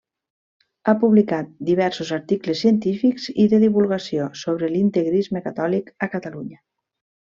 Ha publicat diversos articles científics i de divulgació sobre l'integrisme catòlic a Catalunya.